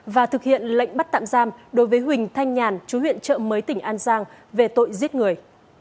và thực hiện lệnh bắt tạm giam đối với huỳnh thanh nhàn chú huyện trợ mới tỉnh an giang về tội giết người